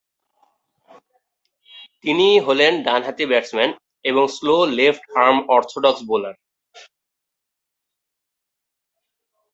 তিনি হলেন ডানহাতি ব্যাটসম্যান এবং slow left arm orthodox bowler.